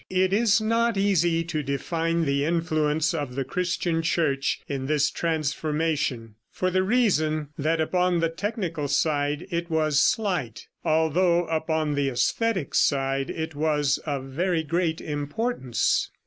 It is not easy to define the influence of the Christian Church in this transformation, for the reason that upon the technical side it was slight, although upon the æsthetic side it was of very great importance.